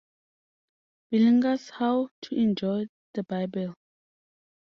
Bullinger's "How to Enjoy the Bible".